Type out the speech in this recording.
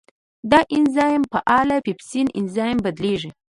دا انزایم په فعال پیپسین انزایم بدلېږي.